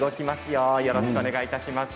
よろしくお願いします。